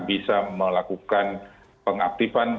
bisa melakukan pengaktifan